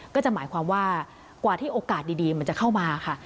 ก็จะหมายความว่ากว่าที่โอกาสดีมันจะเข้ามาค่ะ